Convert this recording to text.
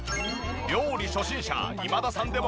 料理初心者今田さんでも簡単！